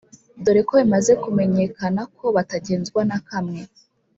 Dore ko bimaze kumenyekana ko batagenzwa na kamwe